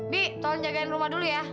bi tolong jagain rumah dulu ya